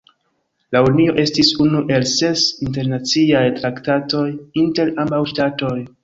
La unio estis unu el ses internaciaj traktatoj inter ambaŭ ŝtatoj.